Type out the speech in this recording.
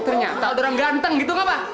ternyata ada orang ganteng gitu gak pak